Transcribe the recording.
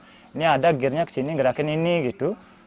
ini ada gearnya ke sini gerakin ini gitu